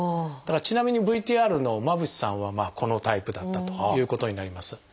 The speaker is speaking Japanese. ちなみにＶＴＲの間渕さんはこのタイプだったということになります。